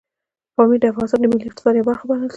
پامیر د افغانستان د ملي اقتصاد یوه برخه بلل کېږي.